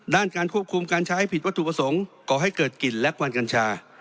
การควบคุมการใช้ผิดวัตถุประสงค์ก่อให้เกิดกลิ่นและควันกัญชา